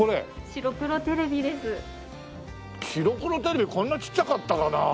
白黒テレビこんなちっちゃかったかな？